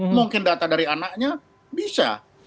mungkin data dari anaknya bisa